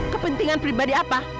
kepentingan pribadi apa